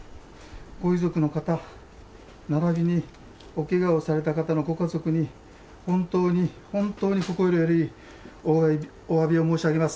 ご遺族の方、並びにおけがをされた方のご家族に、本当に本当に心よりおわびを申し上げます。